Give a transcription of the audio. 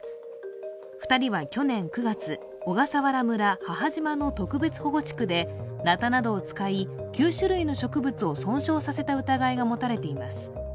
２人は去年９月、小笠原村・母島の特別保護地区でなたなどを使い９種類の植物を損傷させた疑いがもたれています。